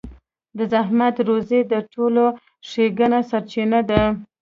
د زحمت روزي د ټولو ښېګڼو سرچينه ده.